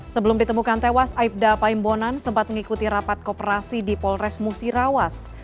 sebelum ditemukan tewas aibda paimbonan sempat mengikuti rapat kooperasi di polres musirawas